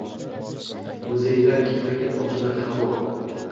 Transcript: Muzeylar ketma-ket ochilar hamon